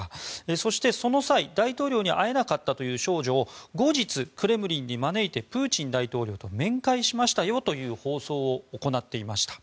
そして、その際、大統領に会えなかったという少女を後日、クレムリンに招いてプーチン大統領と面会しましたよという放送を行っていました。